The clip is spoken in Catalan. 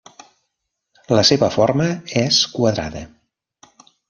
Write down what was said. La seva forma és quadrada.